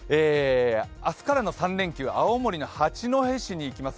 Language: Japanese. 明日からの３連休、青森の八戸市に行きます。